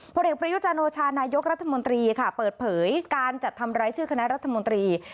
ผลเอกประยุจันโอชานายกรัฐมนตรีค่ะเปิดเผยการจัดทำรายชื่อคณะรัฐมนตรี